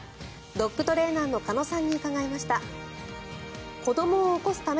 ドッグトレーナーの鹿野さんに伺いました。